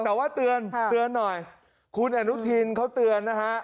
แต่ว่าเตือนเตือนหน่อยคุณอนุทินเขาเตือนนะฮะ